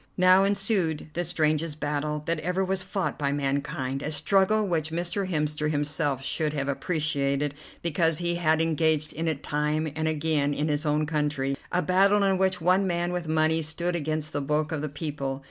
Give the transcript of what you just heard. Now ensued the strangest battle that ever was fought by mankind, a struggle which Mr. Hemster himself should have appreciated because he had engaged in it time and again in his own country, a battle in which one man with money stood against the bulk of the people.